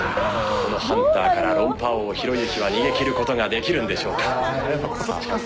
このハンターから論破王ひろゆきは逃げ切ることができるんでしょうか。